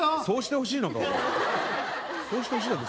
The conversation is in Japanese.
そうしてほしいのかお前。